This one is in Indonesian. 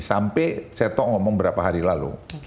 sampai saya ngomong beberapa hari lalu